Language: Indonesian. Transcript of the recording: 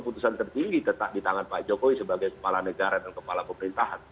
keputusan tertinggi tetap di tangan pak jokowi sebagai kepala negara dan kepala pemerintahan